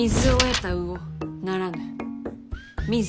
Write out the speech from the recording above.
ならぬ。